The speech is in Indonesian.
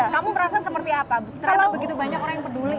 kamu merasa seperti apa ternyata begitu banyak orang yang peduli